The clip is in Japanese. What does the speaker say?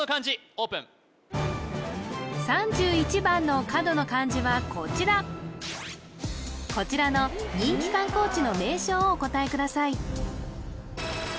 オープン３１番の角の漢字はこちらこちらの人気観光地の名称をお答えください